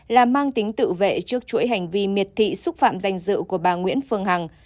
là mang tính tự vệ trước chuỗi hành vi miệt thị xúc phạm danh dự của bà nguyễn phương hằng